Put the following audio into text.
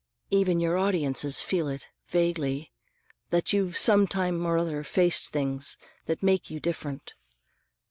Even your audiences feel it, vaguely: that you've sometime or other faced things that make you different."